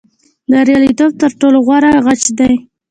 بریالیتوب تر ټولو غوره غچ دی.